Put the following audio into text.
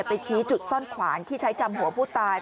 ไปชี้จุดซ่อนขวางที่ใช้จำหัวผู้ตาย